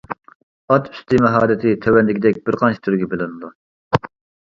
ئات ئۈستى ماھارىتى تۆۋەندىكىدەك بىر قانچە تۈرگە بۆلۈنىدۇ.